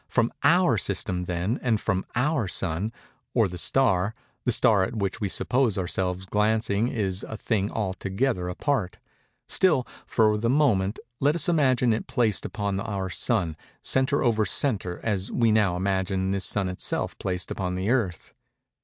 From our system, then, and from our Sun, or star, the star at which we suppose ourselves glancing is a thing altogether apart:—still, for the moment, let us imagine it placed upon our Sun, centre over centre, as we just now imagined this Sun itself placed upon the Earth.